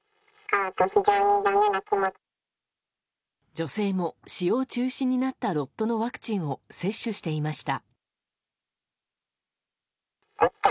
女性も使用中止になったロットのワクチンを接種していました。